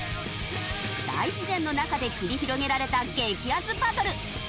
大自然の中で繰り広げられた激アツバトル！